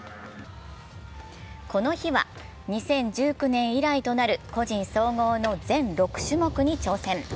この日は２０１９年以来となる個人総合の全６種目に挑戦。